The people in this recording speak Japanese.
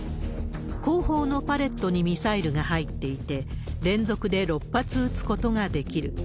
後方のパレットにミサイルが入っていて、連続で６発撃つことができる。